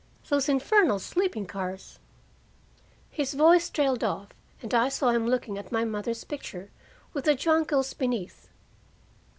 Those infernal sleeping cars " His voice trailed off, and I saw him looking at my mother's picture, with the jonquils beneath.